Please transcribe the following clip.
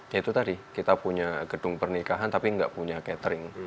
ya itu tadi kita punya gedung pernikahan tapi nggak punya catering